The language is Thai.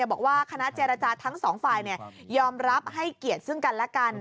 บอกว่าคณะเจรจาทั้งสองฝ่ายยอมรับให้เกียรติซึ่งกันและกัน